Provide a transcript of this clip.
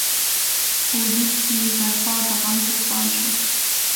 په وجود کې یې برپا د غم توپان شو.